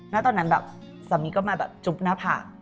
แล้วตอนนั้นแบบสามีก็มาแบบจุ๊บหน้าผาก